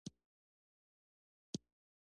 د افغانستان هره سیمه میوه لري.